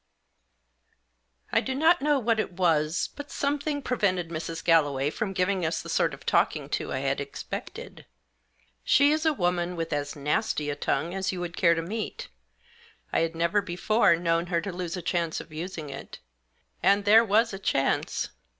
I DO not know what it was, but something prevented Mrs. Galloway from giving us the sort of talking to I had expected. She is a woman with as nasty a tongue as you would care to meet. I had never before known her lose a chance of using it. And there was a chance